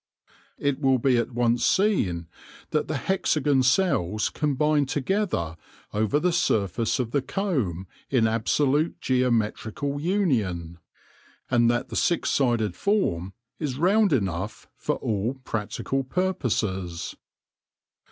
It will be at once seen that the hexagon cells combine together over the surface of the comb in absolute geometrical union, and that the six sided form is round enough for all practical purposes.